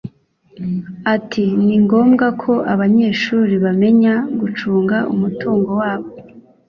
Ati "Ni ngombwa ko abanyeshuri bamenya gucunga umutungo wabo